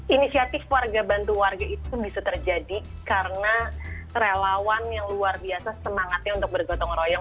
inisiatif warga bantu warga itu bisa terjadi karena relawan yang luar biasa semangatnya untuk bergotong royong